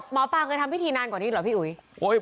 หมอปลาเคยทำพิธีนานกว่านี้เหรอพี่อุ๋ย